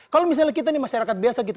kalau misalnya kita ini masyarakat biasa gitu